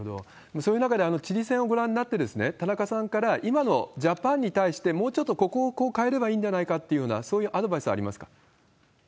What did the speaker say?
そういう中で、チリ戦をご覧になって、田中さんから今のジャパンに対して、もうちょっとここをこう変えればいいんじゃないかという、そういうアドバイスありますか？